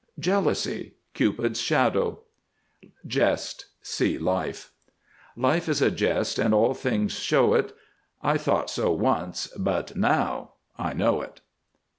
JEALOUSY. Cupid's shadow. JEST. See life. "Life is a jest And all things show it; I thought so once— But now I know it."